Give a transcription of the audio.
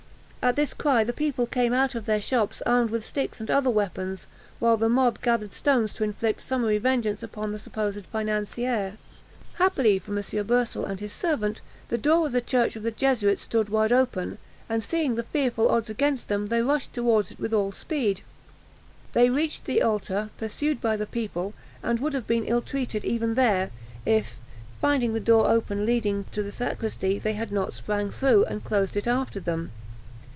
At this cry the people came out of their shops, armed with sticks and other weapons, while the mob gathered stones to inflict summary vengeance upon the supposed financier. Happily for M. Boursel and his servant, the door of the church of the Jesuits stood wide open, and, seeing the fearful odds against them, they rushed towards it with all speed. They reached the altar, pursued by the people, and would have been ill treated even there, if, finding the door open leading to the sacristy, they had not sprang through, and closed it after them.